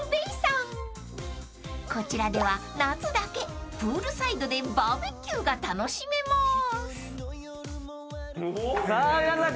［こちらでは夏だけプールサイドでバーベキューが楽しめます］